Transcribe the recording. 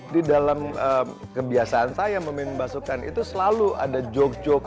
di dalam kebiasaan saya memimpin pasukan itu selalu ada joke joke